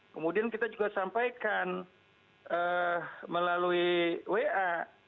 kemudian kita juga sampaikan melalui wa